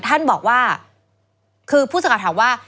ท่านบอกว่าคือผู้สื่อข่าวถามว่า